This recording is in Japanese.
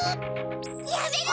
やめろ！